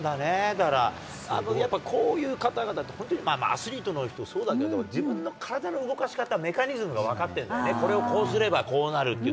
だからやっぱり、こういう方々って、本当に、まあまあ、アスリートの人、そうだけども、自分の体の動かし方、メカニズムが分かってるんですよ、これをこうすればこうなるっていう。